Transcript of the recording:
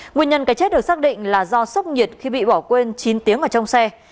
nguyên nhân cái chết được xác định là do sốc nhiệt khi bị bỏ quên chín tiếng ở trong xe